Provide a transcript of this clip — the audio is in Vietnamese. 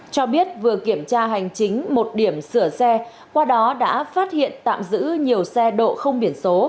cho biết vừa kiểm tra hành chính một điểm sửa xe qua đó đã phát hiện tạm giữ nhiều xe độ không biển số